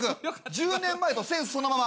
１０年前とセンスそのまま！